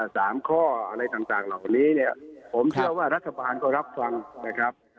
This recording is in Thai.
สามข้ออะไรต่างต่างเหล่านี้เนี่ยผมเชื่อว่ารัฐบาลก็รับฟังนะครับ